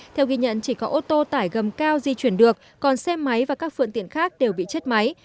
theo ghi nhận chỉ có ô tô tải gầm cao di chuyển được còn xe máy và các phương tiện khác đều bị chết máy